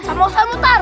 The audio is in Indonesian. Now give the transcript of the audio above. sama pausar mutar